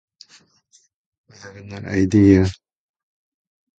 I have no idea